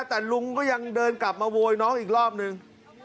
แต่ลุงก็ยังเดินกลับมาโวยน้องอีกรอบนึง